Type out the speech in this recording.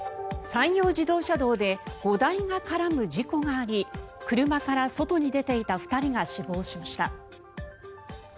山陽自動車道で５台が絡む事故があり車から外に出ていた２人が死亡しました。